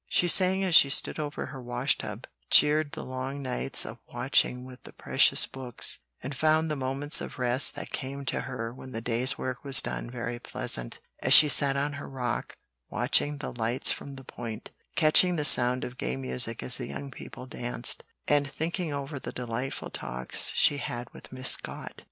She sang as she stood over her wash tub, cheered the long nights of watching with the precious books, and found the few moments of rest that came to her when the day's work was done very pleasant, as she sat on her rock, watching the lights from the Point, catching the sound of gay music as the young people danced, and thinking over the delightful talks she had with Miss Scott.